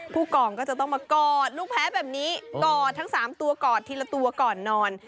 ผู้กองก็จะต้องมากอดลูกแพ้แบบนี้กอดทั้ง๓ตัวกอดทีละตัวก่อนนอน